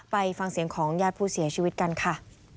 ไปฟังเสียงของญาติผู้เสียชีวิตกันค่ะ